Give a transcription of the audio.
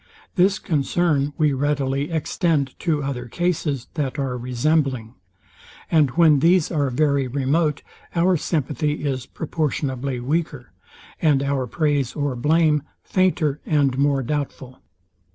This concern we readily extend to other cases, that are resembling; and when these are very remote, our sympathy is proportionably weaker, and our praise or blame fainter and more doubtful.